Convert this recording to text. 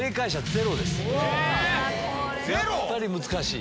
やっぱり難しい。